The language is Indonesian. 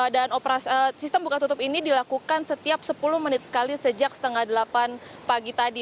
dan sistem buka tutup ini dilakukan setiap sepuluh menit sekali sejak setengah delapan pagi tadi